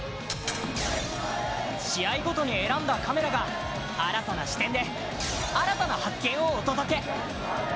試合ごとに選んだカメラが新たな視点で新たな発見をお届け。